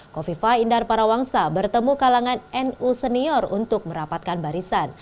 kofifa indar parawangsa bertemu kalangan nu senior untuk merapatkan barisan